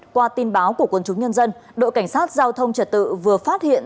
qua tin báo của quân chúng nhân dân đội cảnh sát giao thông trật tự vừa phát hiện